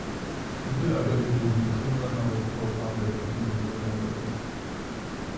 Mittelalterlich wurden die Kimbern auch als Vorfahren der Briten mit Gomer verknüpft.